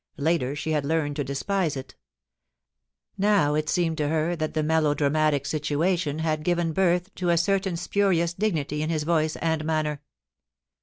I^ter she had learned to despise it Now it seemed to her that the melodramatic situation had given buth to a certain spurious dignity in his voice and manner.